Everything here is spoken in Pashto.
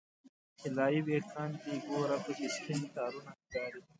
طلایې ویښان دې ګوره پکې سپین تارونه ښکاري